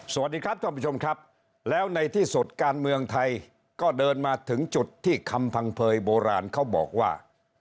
สวัสดีครับท่านผู้ชมครับแล้วในที่สุดการเมืองไทยก็เดินมาถึงจุดที่คำพังเผยโบราณเขาบอกว่า